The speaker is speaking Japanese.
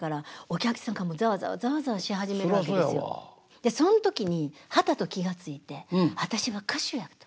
でそん時にはたと気が付いて私は歌手やと。